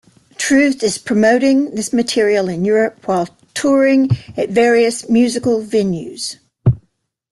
Truth is promoting this material in Europe while touring at various musical venues.